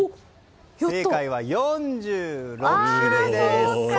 正解は、４６種類です。